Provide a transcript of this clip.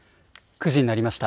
９時になりました。